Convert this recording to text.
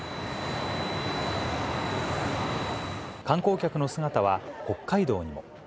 観光客の姿は北海道にも。